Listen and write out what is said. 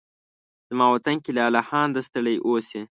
زما وطن کې لالهانده ستړي اوسې